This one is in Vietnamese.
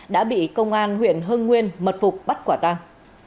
đã bị công an huyện hưng nguyên mật phục bắt quả tang